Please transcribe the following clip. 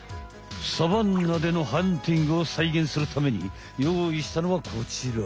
サバンナでのハンティングをさいげんするためによういしたのはこちら。